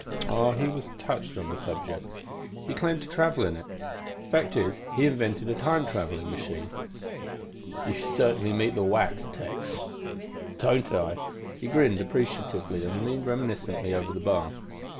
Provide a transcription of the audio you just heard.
"Oh, he was touched on the subject. He claimed to travel in it. The fact is, he invented a time traveling machine." "You certainly meet the whacks, Tex!" "Don't I!" He grinned appreciatively and leaned reminiscently over the bar.